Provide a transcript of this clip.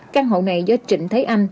căn hộ này do trịnh thấy anh